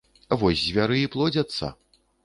Вось звяры і плодзяцца.